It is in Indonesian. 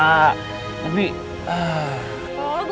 nanti gue bakal ngehargain